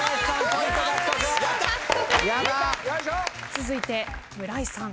続いて村井さん。